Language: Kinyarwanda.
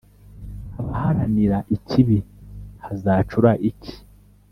abaharanira ikibi, hazacura iki?